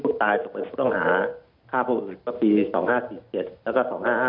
ผู้ตายถูกเป็นผู้ต้องหาข้าพวกอื่นปี๒๕๔๗แล้วก็๒๕๕๖